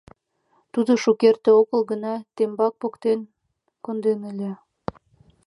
Тудо шукерте огыл гына тембак поктен конден ыле.